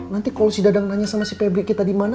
nanti kalau si dadang nanya sama si pb kita di mana